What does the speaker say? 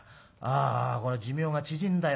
あこりゃ寿命が縮んだよ。